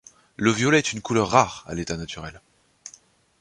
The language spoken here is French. Le violet est une couleur rare à l'état naturel.